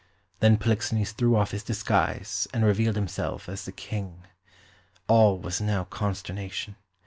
Then Polixenes threw off his disguise and revealed himself as the King. All was now consternation.